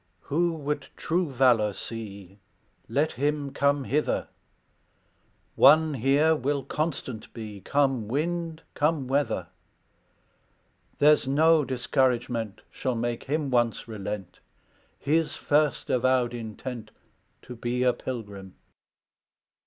"Who would true valor see, Let him come hither; One here will constant be, Come wind, come weather; There's no discouragement Shall make him once relent His first avowed intent To be a pilgrim.